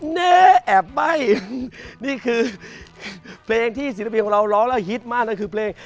แน่แอบใบ้นี่คือเพลงที่ศิลปินของเราร้องแล้วฮิตมากนั่นคือเพลง